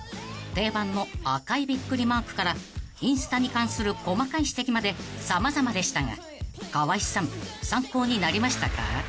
［定番の赤いビックリマークからインスタに関する細かい指摘まで様々でしたが河合さん参考になりましたか？］